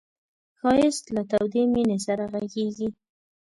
ښایست له تودې مینې سره غږېږي